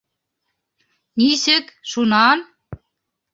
— Нисек, шунан?